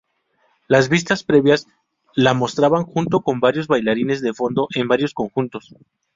Las vistas previas la mostraban junto con varios bailarines de fondo en varios conjuntos.